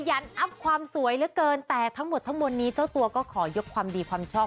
ยันอัพความสวยเหลือเกินแต่ทั้งหมดทั้งมวลนี้เจ้าตัวก็ขอยกความดีความชอบ